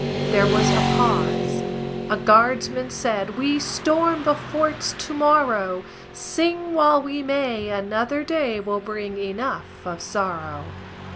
There was a pause. A guardsman said: "We storm the forts to morrow; Sing while we may, another day Will bring enough of sorrow."